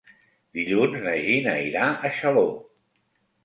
Dilluns na Gina irà a Xaló.